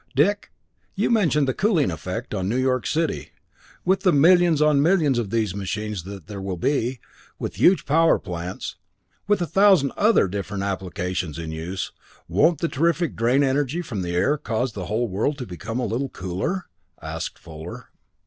"Dick, you mentioned the cooling effect on New York City; with the millions on millions of these machines that there will be, with huge power plants, with a thousand other different applications in use, won't the terrific drain of energy from the air cause the whole world to become a little cooler?" asked Fuller.